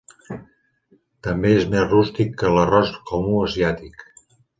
També és més rústic que l'arròs comú asiàtic.